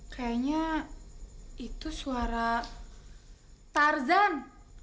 kayanya itu suara tarzan